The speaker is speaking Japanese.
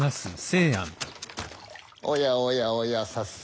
おやおやおや早速。